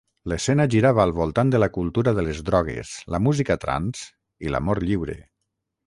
L'escena girava al voltant de la cultura de les drogues, la música trance i l'amor lliure.